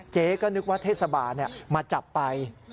เจ๊ก็นึกว่าเทศบาลมาจับไป